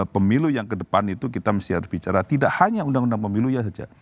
pemilu yang kedepan itu kita mesti harus bicara tidak hanya undang undang pemilunya saja